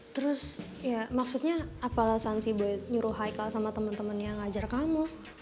terus ya maksudnya apalagi si boy nyuruh haikal sama temen temen yang ngajar kamu